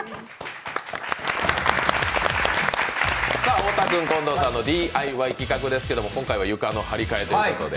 太田君、近藤さんのＤＩＹ企画ですけれども今回は床の張り替えということで。